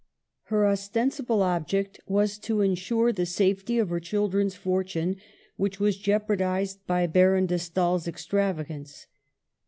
Her ostensible ob ject was to ensure the safety of her children's fort une, which was jeopardized by Baron de Stael's extravagance.